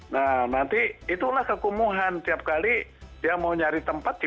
nah nanti itulah kekumuhan tiap kali dia mau nyari tempat